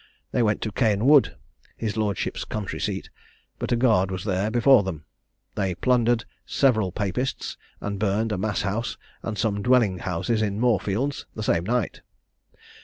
They went to Caen Wood (his lordship's country seat); but a guard was there before them. They plundered several Papists, and burned a Mass house, and some dwelling houses in Moorfields, the same night.